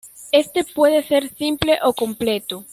Este puede ser simple o completo.